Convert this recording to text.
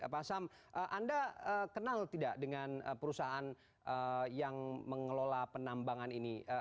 pak sam anda kenal tidak dengan perusahaan yang mengelola penambangan ini